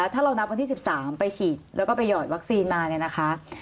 ถ้าเรานับวันที่๑๓ไปฉีดแล้วก็ไปหยอดวัคซีนมา